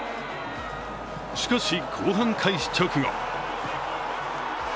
しかし、後半開始直後。